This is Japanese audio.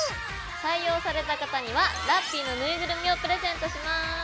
採用された方にはラッピィのぬいぐるみをプレゼントします。